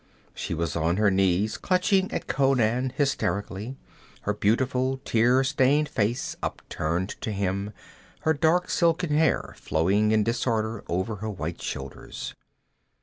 She was on her knees, clutching at Conan hysterically, her beautiful tear stained face upturned to him, her dark silken hair flowing in disorder over her white shoulders.